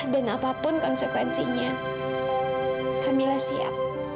dan apapun konsekuensinya kamila siap